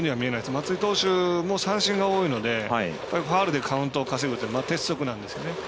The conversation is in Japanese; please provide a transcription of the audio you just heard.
松井投手も三振が多いのでファウルでカウントを稼ぐというのは鉄則なんですね。